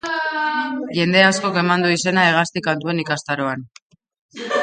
Jende askok eman du izena hegazti kantuen ikastaroan.